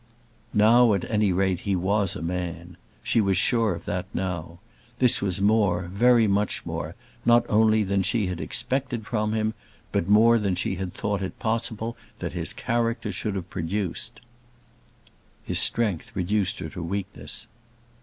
Now at any rate he was a man. She was sure of that now. This was more, very much more, not only than she had expected from him, but more than she had thought it possible that his character should have produced. His strength reduced her to weakness.